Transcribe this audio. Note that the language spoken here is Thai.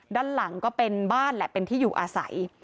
ด้านหลังก็เป็นบ้านแหละเป็นที่อยู่อาศัย